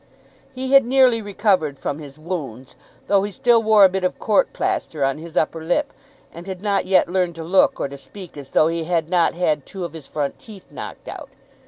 He had nearly recovered from his wounds, though he still wore a bit of court plaster on his upper lip, and had not yet learned to look or to speak as though he had not had two of his front teeth knocked out.